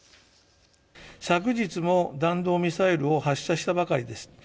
昨日も、弾道ミサイルを発射したばかりです。